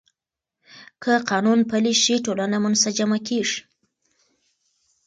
که قانون پلی شي، ټولنه منسجمه کېږي.